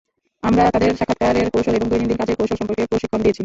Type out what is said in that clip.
আমরা তাদের সাক্ষাৎকারের কৌশল এবং দৈনন্দিন কাজের কৌশল সম্পর্কে প্রশিক্ষণ দিয়েছি।